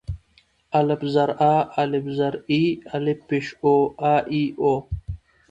الپ زر آ، الپ زر اي، الپ پېښ أو آآ اي او.